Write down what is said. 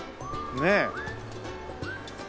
ねえ。